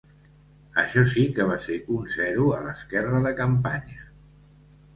Això sí que va ser un zero a l'esquerra de campanya!